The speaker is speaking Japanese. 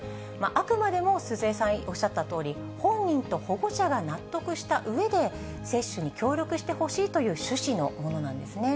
あくまでも鈴江さんおっしゃったとおり、本人と保護者が納得したうえで、接種に協力してほしいという趣旨のものなんですね。